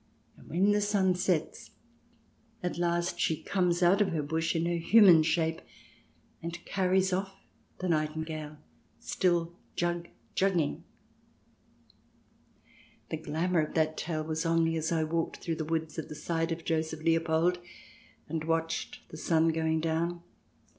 And when the sun sets at last she comes out of the bush in her human shape, and carries off the nightingale, still jug jugging. The glamour of that tale was on me as I walked through the woods at the side of Joseph Leopold, and watched the sun going down.